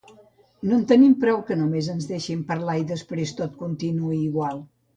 No en tenim prou que només ens deixin parlar i després tot continuï igual